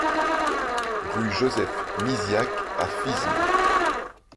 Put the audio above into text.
Rue Joseph Misiack à Fismes